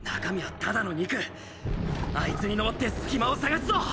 あいつに登って隙間を探すぞ！